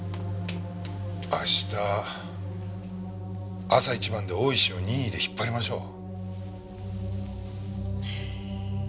明日朝一番で大石を任意で引っ張りましょう。